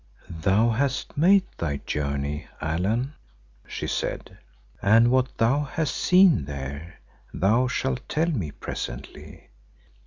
"Thou hast made thy journey, Allan," she said, "and what thou hast seen there thou shalt tell me presently.